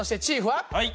はい。